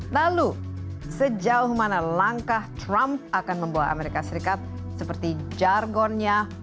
lalu sejauh mana langkah trump akan membawa amerika serikat seperti jargonnya